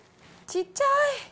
ちっちゃい。